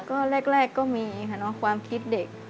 ก็แรกก็มีค่ะเนอะความคิดเด็ก